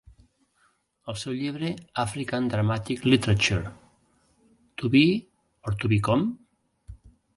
El seu llibre African Dramatic Literature: To Be or to Become?